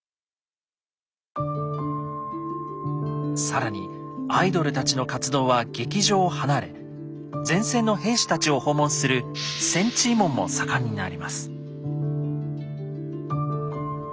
更にアイドルたちの活動は劇場を離れ前線の兵士たちを訪問する「戦地慰問」も盛んになります。